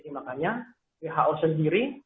jadi makanya who sendiri